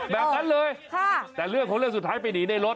แบบนั้นเลยแต่เรื่องของเรื่องสุดท้ายไปหนีในรถ